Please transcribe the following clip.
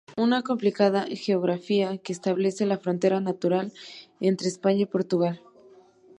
Una complicada geografía que establece la frontera natural entre España y Portugal.